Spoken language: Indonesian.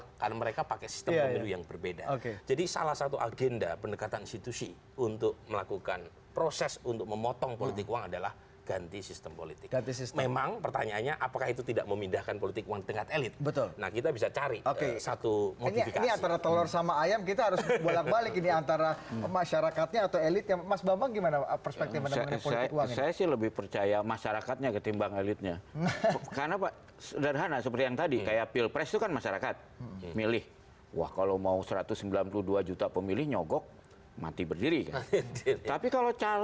kepala kepala kepala kepala kepala kepala kepala kepala kepala kepala kepala kepala kepala kepala kepala